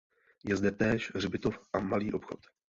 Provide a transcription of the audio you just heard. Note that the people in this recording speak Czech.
Je zde též hřbitov a malý obchod.